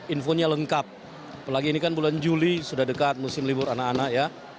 infonya lengkap apalagi ini kan bulan juli sudah dekat musim libur anak anak ya